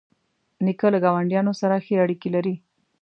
نیکه له ګاونډیانو سره ښې اړیکې لري.